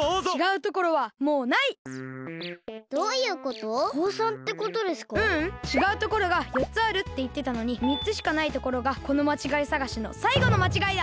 ううんちがうところがよっつあるっていってたのにみっつしかないところがこのまちがいさがしのさいごのまちがいだ！